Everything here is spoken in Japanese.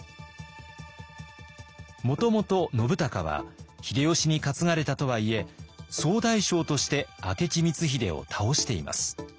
もともと信孝は秀吉に担がれたとはいえ総大将として明智光秀を倒しています。